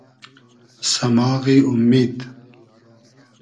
سئماغی اومید